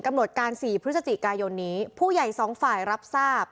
หดการ๔พฤศจิกายนนี้ผู้ใหญ่สองฝ่ายรับทราบ